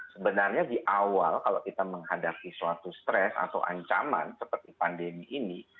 sebenarnya di awal kalau kita menghadapi suatu stres atau ancaman seperti pandemi ini